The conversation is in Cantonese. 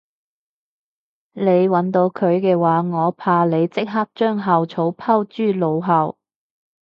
你搵到佢嘅話我怕你即刻將校草拋諸腦後